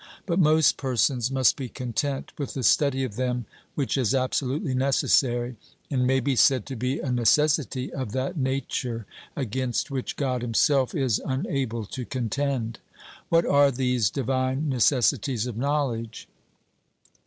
But most persons must be content with the study of them which is absolutely necessary, and may be said to be a necessity of that nature against which God himself is unable to contend. 'What are these divine necessities of knowledge?'